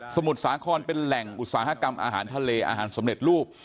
มุทรสาครเป็นแหล่งอุตสาหกรรมอาหารทะเลอาหารสำเร็จรูป